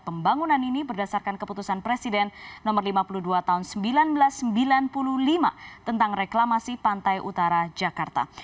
pembangunan ini berdasarkan keputusan presiden nomor lima puluh dua tahun seribu sembilan ratus sembilan puluh lima tentang reklamasi pantai utara jakarta